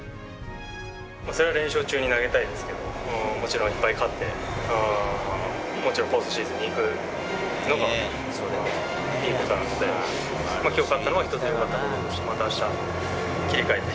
それは連勝中に投げたいですけど、もちろんいっぱい勝って、もちろんポストシーズンに行くのがいいことなので、きょう勝ったのは一つよかったですし、またあした、切り替えて